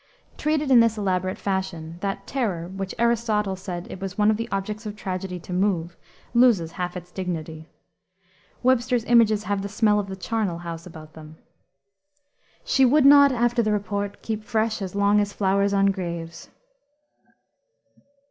Treated in this elaborate fashion, that "terror," which Aristotle said it was one of the objects of tragedy to move, loses half its dignity. Webster's images have the smell of the charnel house about them. "She would not after the report keep fresh As long as flowers on graves."